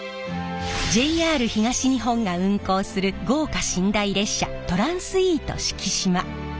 ＪＲ東日本が運行する豪華寝台列車トランスイート四季島。